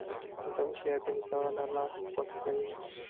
Matamshi yake ni sawa na "L" kwa Kiswahili.